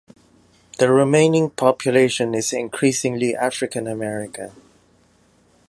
The remaining population is increasingly African American.